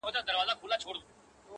پر اخوند ښوروا ډېره ده.